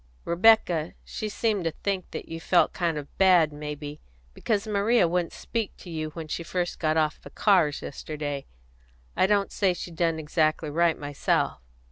"Rebecca she seemed to think that you felt kind of bad, may be, because Maria wouldn't speak to you when she first got off the cars yesterday, and I don't say she done exactly right, myself.